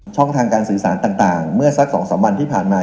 ช่องทางการสื่อสารต่างเมื่อสัก๒๓วันที่ผ่านมา